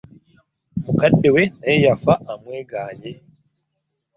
Mukadde we naye yafa amwegaanyi.